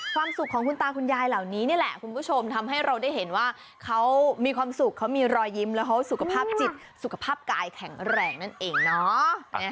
สุขของคุณตาคุณยายเหล่านี้นี่แหละคุณผู้ชมทำให้เราได้เห็นว่าเขามีความสุขเขามีรอยยิ้มแล้วเขาสุขภาพจิตสุขภาพกายแข็งแรงนั่นเองเนาะ